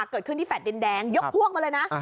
เกิดขึ้นที่แฟลต์ดินแดงยกพวกมาเลยนะ